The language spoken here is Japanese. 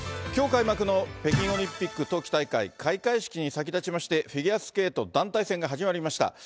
きょう開幕の北京オリンピック冬季大会、開会式に先立ちまして、フィギュアスケート団体戦が始まりました。